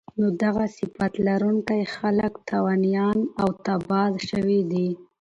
نو دغه صفت لرونکی خلک تاوانيان او تباه شوي دي